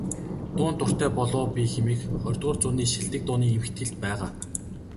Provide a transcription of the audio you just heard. "Дуунд дуртай болов оо би" хэмээх ХХ зууны шилдэг дууны эмхэтгэлд байгаа.